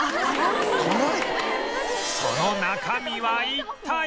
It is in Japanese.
その中身は一体？